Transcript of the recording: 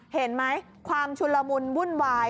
เห็นไหมความชุนละมุนวุ่นวาย